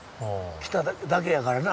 来ただけやからな。